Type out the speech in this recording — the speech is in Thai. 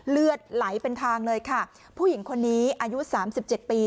เลือดไหลเป็นทางเลยค่ะผู้หญิงคนนี้อายุสามสิบเจ็ดปี